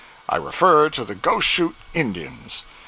I refer to the Goshoot Indians.